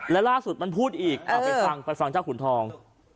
แล้วล่าสุดมันพูดอีกเอาไปฟังไปฟังเจ้าขุนทอง